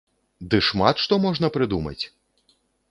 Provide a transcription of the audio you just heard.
Ды шмат што можна прыдумаць!